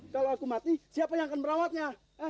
kalau aku mati siapa yang akan merawatnya